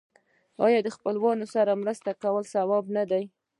آیا د خپلوانو سره مرسته کول ثواب نه دی؟